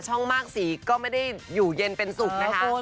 มากสีก็ไม่ได้อยู่เย็นเป็นสุขนะคะ